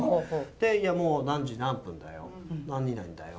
で「いやもう何時何分だよ。何々だよ。